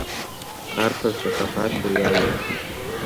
Арԥарцәа, ҳа ҳашәа иалоу…